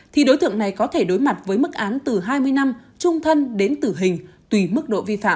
thì đối tượng này có thể đối mặt với mức án từ hai mươi năm trung thân đến tử hình tùy mức độ vi phạm